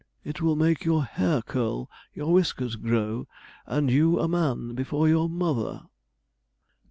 It will make your hair curl, your whiskers grow, and you a man before your mother.'